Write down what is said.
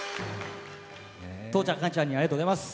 父ちゃん、母ちゃんにありがとうございます！